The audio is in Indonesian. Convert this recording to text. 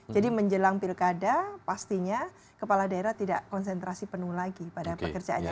jadi menjelang pilkada pastinya kepala daerah tidak konsentrasi penuh lagi pada pekerjaannya